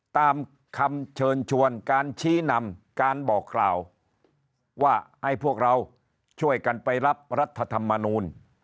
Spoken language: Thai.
ตามคำเชิญชวนการชี้นำการบอกกล่าวว่าให้พวกเราช่วยกันไปรับรัฐธรรมนูล